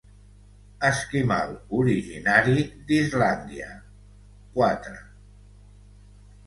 Esquimal originari d'Islàndia; quatre.